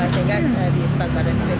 sehingga rutan barat stream